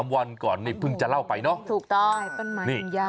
๒๓วันก่อนนี่เพิ่งจะเล่าไปเนาะ